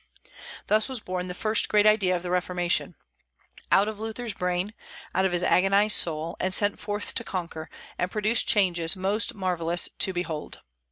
Thus was born the first great idea of the Reformation, out of Luther's brain, out of his agonized soul, and sent forth to conquer, and produce changes most marvellous to behold.